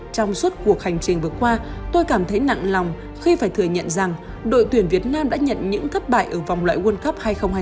trong suốt cuộc hành trình vừa qua tôi cảm thấy nặng lòng khi phải thừa nhận rằng đội tuyển việt nam đã nhận những thất bại ở vòng loại world cup hai nghìn hai mươi bốn